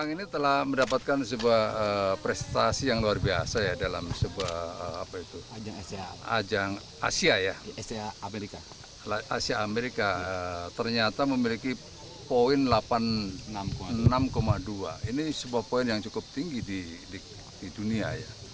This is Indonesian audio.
ini sebuah poin yang cukup tinggi di dunia